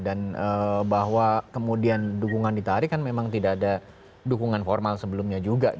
dan bahwa kemudian dukungan ditarik kan memang tidak ada dukungan formal sebelumnya juga